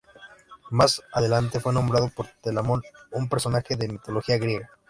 Más adelante fue nombrado por Telamón, un personaje de la mitología griega.